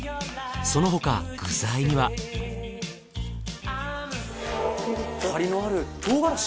そのほか具材には張りのある唐辛子？